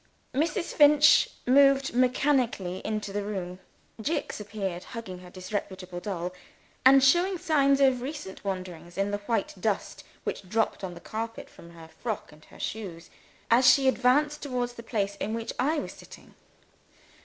Mrs. Finch moved mechanically into the room. Jicks appeared, hugging her disreputable doll, and showing signs of recent wandering in the white dust which dropped on the carpet from her frock and her shoes, as she advanced towards the place in which I was sitting.